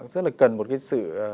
rất là cần một cái sự